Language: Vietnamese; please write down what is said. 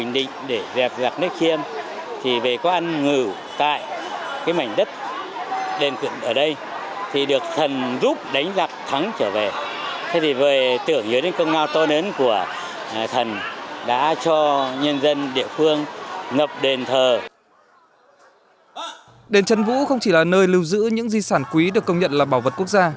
đền trấn vũ không chỉ là nơi lưu giữ những di sản quý được công nhận là bảo vật quốc gia